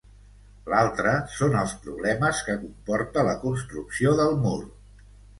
L'altra són els problemes que comporta la construcció del mur.